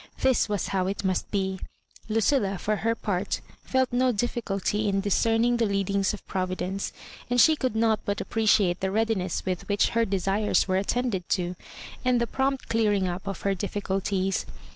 This was how it must be I Lucilla, for her part, felt no diffi culty in discerning the leadings of providence, and she could not but appreciate the readiness with which her desires were attended to, and the prompt clearing up of her difficulties.